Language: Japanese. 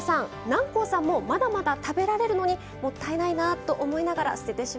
南光さんもまだまだ食べられるのにもったいないなぁと思いながら捨ててしまうことありませんか？